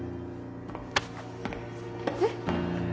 えっ？